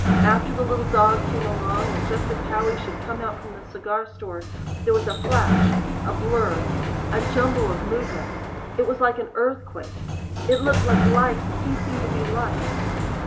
After the little dog came along, and just as Howie should come out from the cigar store, there was a flash a blur a jumble of movements. It was like an earthquake it looked like life ceasing to be life.